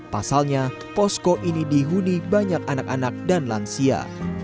pasalnya posko ini dihuni banyak anak anak dan lansia